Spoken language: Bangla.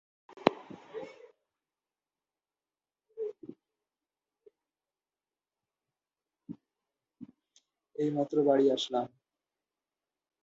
প্রথম রামচন্দ্র শেখর, মদনমোহন শেখর ও গোপাল শেখর নামক তার তিন পুত্র ছিল।